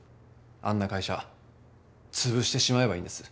あんな会社つぶしてしまえばいいんです。